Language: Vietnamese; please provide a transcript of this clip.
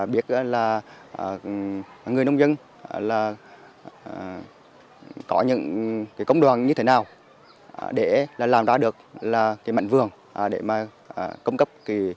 biết là người nông dân là có những công đoàn như thế nào để làm ra được là cái mảnh vườn để mà cung cấp